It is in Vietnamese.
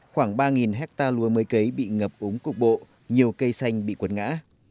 khoảng ba hectare lúa mây cấy bị ngập úng cục bộ nhiều cây xanh bị quấn ngã